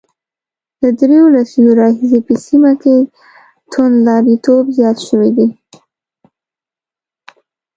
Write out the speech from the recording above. له درېو لسیزو راهیسې په سیمه کې توندلاریتوب زیات شوی دی